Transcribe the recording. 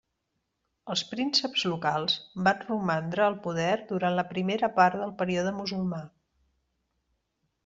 Els prínceps locals van romandre al poder durant la primera part del període musulmà.